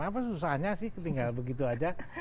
apa susahnya sih ketinggalan begitu saja